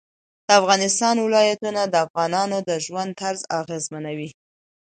د افغانستان ولايتونه د افغانانو د ژوند طرز اغېزمنوي.